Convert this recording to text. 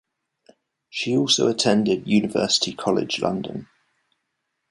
She also attended University College London.